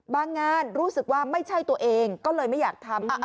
งานรู้สึกว่าไม่ใช่ตัวเองก็เลยไม่อยากทำ